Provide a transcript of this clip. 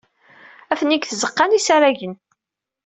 Atni deg tzeɣɣa n yisaragen.